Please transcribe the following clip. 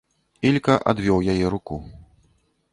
Ілька адвёў яе руку.